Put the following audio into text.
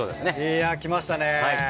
いやきましたね！